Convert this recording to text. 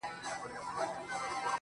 o په سپين لاس کي يې دی سپين سگريټ نيولی.